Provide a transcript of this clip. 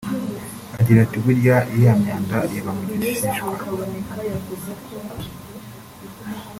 Agira ati “Burya iriya myanda iba mu gishishwa